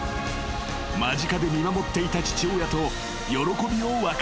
［間近で見守っていた父親と喜びを分かち合った］